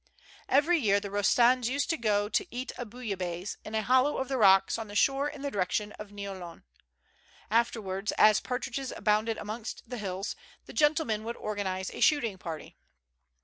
Every year the Rostands used to go to eat a houilla haisse in a hollow of the rocks on the shore in the direc tion of Niolon. jAfterwards, as partridges abounded amongst the hills, the gentlemen would organize a shoot ing party.